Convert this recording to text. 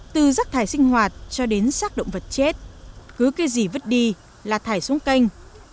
từ rác thải sinh hoạt cho đến sát động vật chết cứ cái gì vứt đi là thải xuống canh